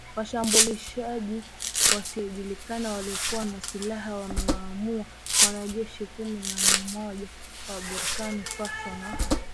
Washambuliaji wasiojulikana waliokuwa na silaha wamewaua wanajeshi kumi na mmoja wa Burkina Faso na kuwajeruhi wengine wanane